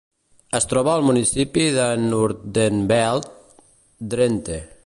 Es troba al municipi de Noordenveld, Drenthe.